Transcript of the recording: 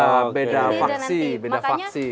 oh beda beda faksi